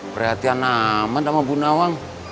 perhatian aman sama bu nawang